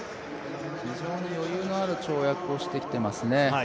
非常に余裕のある跳躍をしてきていますね。